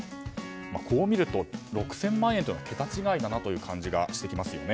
こう見ると６０００万円というのは桁違いだなという感じがしてきますよね。